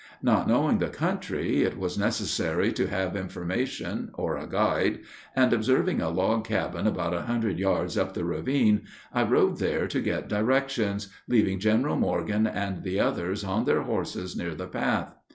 Not knowing the country, it was necessary to have information, or a guide, and observing a log cabin about a hundred yards up the ravine, I rode there to get directions, leaving General Morgan and the others on their horses near the path.